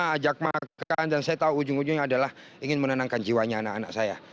saya ajak makan dan saya tahu ujung ujungnya adalah ingin menenangkan jiwanya anak anak saya